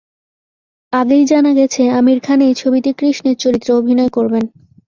আগেই জানা গেছে, আমির খান এই ছবিতে কৃষ্ণের চরিত্রে অভিনয় করবেন।